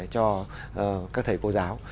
cho các thầy cô giáo